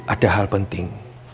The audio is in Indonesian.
ada hal penting